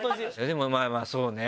でもまぁまぁそうね